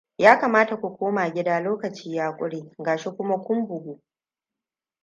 Yakamata ku koma gida. Lokaci ya kure ga shi kuma kun bugu.